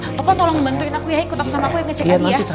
bakal pasti buat app store kita